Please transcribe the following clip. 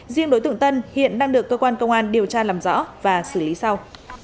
riêng đối tượng tân hiện đang được cơ quan công an điều tra làm rõ và xử lý sau